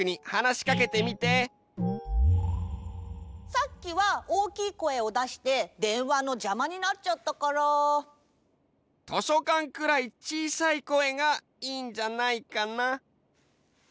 さっきは大きい声をだしてでんわのじゃまになっちゃったから。としょかんくらいちいさい声がいいんじゃないかな。